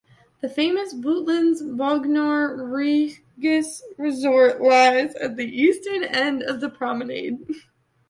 The famous Butlins Bognor Regis resort lies at the eastern end of the promenade.